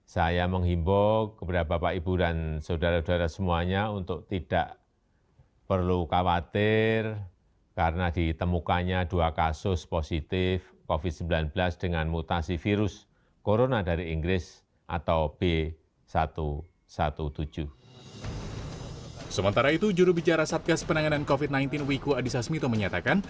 sementara itu juru bicara satgas penanganan covid sembilan belas wiku adhisa smito menyatakan